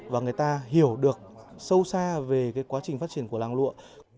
và người ta hiểu được sâu xa về quá trình phát triển của làng lụa